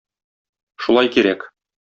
Шулай кирәк!